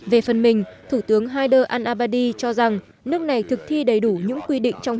về phần mình thủ tướng haider al abadi cho rằng nước này thực thi đầy đủ những quy định trong